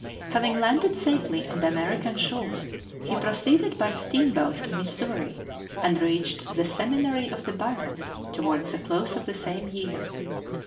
Having landed safely on the American shore, he proceeded by steamboat to Missouri, and reached the Seminary of the Barrens towards the close of the same year.